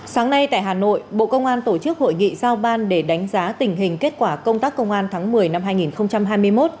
sáng nay tại hà nội bộ công an tổ chức hội nghị giao ban để đánh giá tình hình kết quả công tác công an tháng một mươi năm hai nghìn hai mươi một